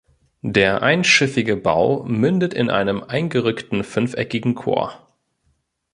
Der einschiffige Bau mündet in einem eingerückten fünfeckigen Chor.